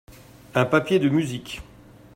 Un papier de musique.